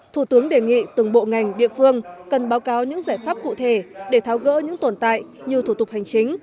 thủ tướng đề nghị từng bộ ngành địa phương cần báo cáo những giải pháp cụ thể để tháo gỡ những tồn tại như thủ tục hành chính